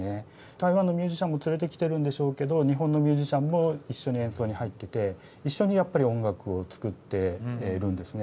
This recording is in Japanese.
台湾のミュージシャンも連れてきてるんでしょうけど日本のミュージシャンも一緒に演奏に入ってて一緒にやっぱり音楽を作ってるんですね。